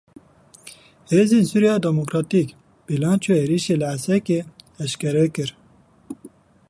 Hêzên Sûriya Demokratîk bilançoya êrişa li Hesekê eşkere kir.